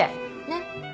ねっ？